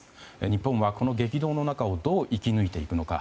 日本はこの激動の中をどう生き抜いていくのか。